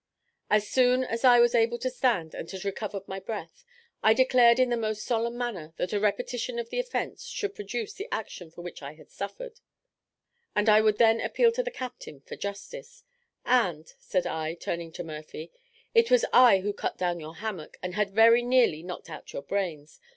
As soon as I was able to stand, and had recovered my breath, I declared in the most solemn manner, that a repetition of the offence should produce the action for which I had suffered, and I would then appeal to the captain for justice; "and," said I, turning to Murphy, "it was I who cut down your hammock, and had very nearly knocked out your brains.